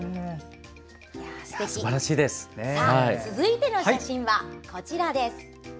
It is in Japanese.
続いての写真はこちらです。